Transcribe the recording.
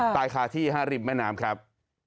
ตายคาที่๕ริมแม่น้ำครับ